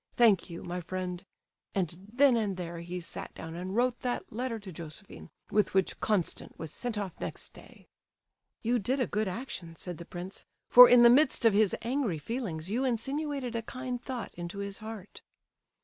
Thank you, my friend;' and then and there he sat down and wrote that letter to Josephine, with which Constant was sent off next day." "You did a good action," said the prince, "for in the midst of his angry feelings you insinuated a kind thought into his heart."